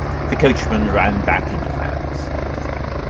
The coachman ran back into the house.